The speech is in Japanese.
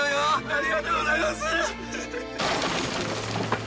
ありがとうございます！